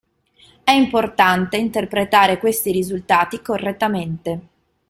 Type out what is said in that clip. È importante interpretare questi risultati correttamente.